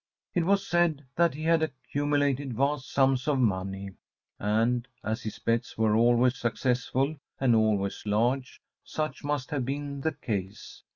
It was said that he had accumulated vast sums of money and, as his bets were always successful and always large, such must have been the case.